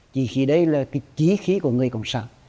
chí khí đây là cái chí khí của người cộng sản